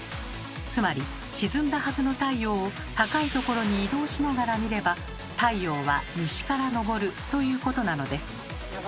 つまり沈んだはずの太陽を高いところに移動しながら見れば太陽は西から昇るということなのです。